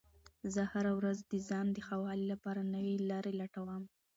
زه هره ورځ د ځان د ښه والي لپاره نوې لارې لټوم